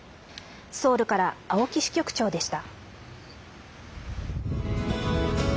ソウルから青木支局長でした。